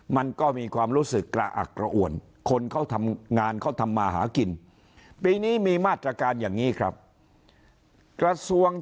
มันก็มีความรู้สึกกละอักระอวน